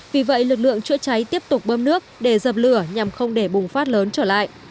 vì vậy lực lượng chữa cháy tiếp tục bơm nước để dập lửa nhằm không để bùng phát lớn trở lại